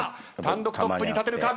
単独トップに立てるか。